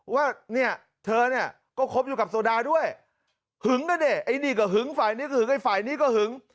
ว่าเธอก็คบอยู่กับโซดาด้วยหึงกันดิไอ้นี่ก็หึงไอ้ฝ่ายนี่ก็หึง